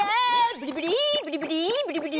ブリブリブリブリブリブリ！